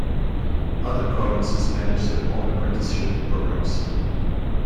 Other provinces manage their own apprenticeship programs.